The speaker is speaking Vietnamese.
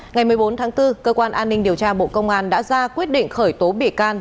ngày một mươi bốn tháng bốn cơ quan an ninh điều tra bộ công an đã ra quyết định khởi tố bị can